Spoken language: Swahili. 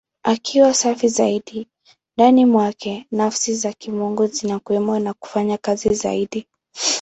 Akiwa safi zaidi, ndani mwake Nafsi za Kimungu zinakuwemo na kufanya kazi zaidi.